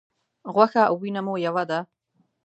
غوښه او وینه مو یوه ده.